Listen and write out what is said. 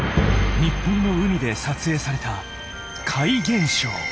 日本の海で撮影された怪現象。